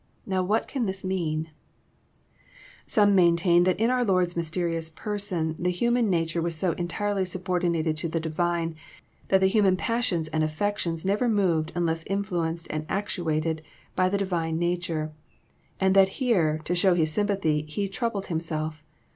Now what can this mean ? Some maintain that in our Lord's mysterious Person the human nature was so entirely subordinated to the Divine, that the human passions and affections never moved unless influenced and actuated by the Divine nature, and that here, to show His sympathy. He "troubled Himself."